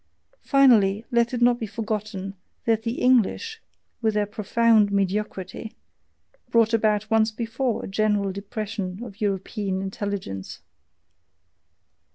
Finally, let it not be forgotten that the English, with their profound mediocrity, brought about once before a general depression of European intelligence.